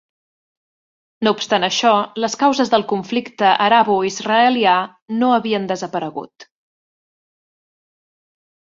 No obstant això, les causes del conflicte araboisraelià no havien desaparegut.